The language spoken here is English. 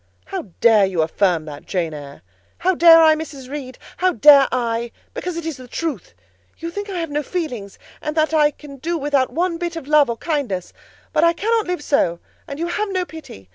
"How dare you affirm that, Jane Eyre?" "How dare I, Mrs. Reed? How dare I? Because it is the truth. You think I have no feelings, and that I can do without one bit of love or kindness; but I cannot live so: and you have no pity.